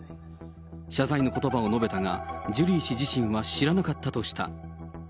謝罪のことばを述べたが、ジュリー氏自身は知らなかったとした。